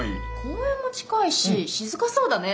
公園も近いし静かそうだね。